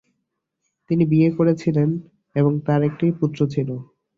তিনি বিয়ে করেছিলেন এবং তার একটি পুত্র ছিল।